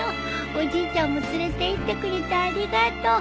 おじいちゃんも連れていってくれてありがとう。